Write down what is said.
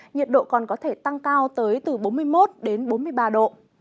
nhiệt độ còn có thể tăng cao tới từ bốn mươi một đến bốn mươi ba độ